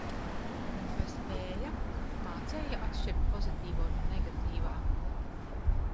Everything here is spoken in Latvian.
Vai spēja, mācēja atšķirt pozitīvo no negatīvā?